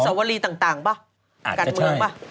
สวรรค์สวรรีต่างป่ะการเมืองป่ะ